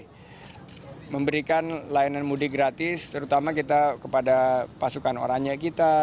kita memberikan layanan mudik gratis terutama kita kepada pasukan orangnya kita